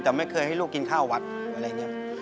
แต่ไม่เคยให้ลูกกินข้าววัดหรืออะไรนี้